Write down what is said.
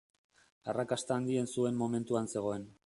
Arrakasta handien zuen momentuan zegoen.